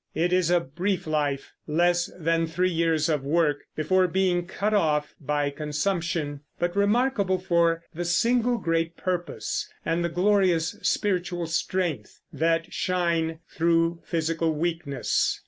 It is a brief life, less than three years of work before being cut off by consumption, but remarkable for the single great purpose and the glorious spiritual strength that shine through physical weakness.